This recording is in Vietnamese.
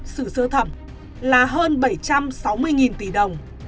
xử sơ thẩm là hơn bảy trăm sáu mươi tỷ đồng